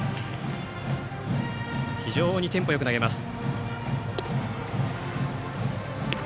非常にテンポよく投げます。